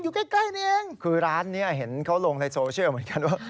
อยู่ใกล้ใกล้นี่เองคือร้านนี้เห็นเขาลงในโซเชียลเหมือนกันว่า